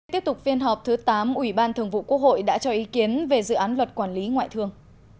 tiếp tục phiên họp thứ tám ủy ban thường vụ quốc hội đã cho ý kiến về dự án luật quản lý ngoại thương